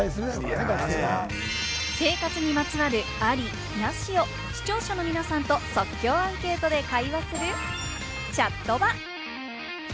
生活にまつわる、あり・なしを視聴者の皆さんと即興アンケートで会話するチャットバ！